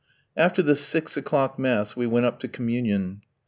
After the six o'clock mass we went up to communion.